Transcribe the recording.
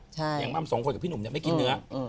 อย่างมัมสองคนกับพี่หนุ่มไม่กินเนื้อ